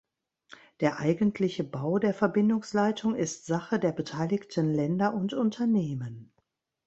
Der eigentliche Bau der Verbindungsleitung ist Sache der beteiligten Länder und Unternehmen.